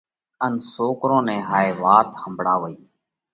ان سوڪرون نئہ هائي وات ۿمڀۯاوئِي۔